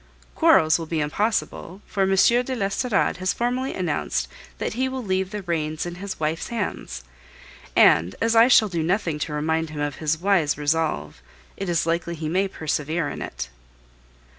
Quarrels will be impossible, for M. de l'Estorade has formally announced that he will leave the reins in his wife's hands; and as I shall do nothing to remind him of this wise resolve, it is likely he may persevere in it.